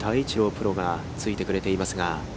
プロがついてくれてますが。